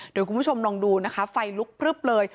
เดี๋ยวคุณผู้ชมลองดูนะคะไฟลุกพลึบเลย